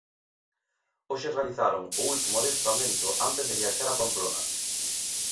Hoxe realizaron o último adestramento antes de viaxar a Pamplona.